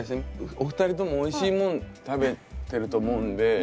お二人ともおいしいもの食べてると思うんで。